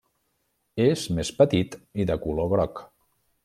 És més petit i de color groc.